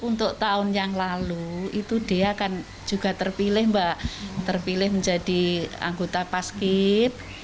untuk tahun yang lalu itu dia kan juga terpilih mbak terpilih menjadi anggota paskit